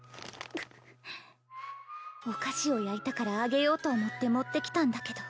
お菓子を焼いたからあげようと思って持ってきたんだけど。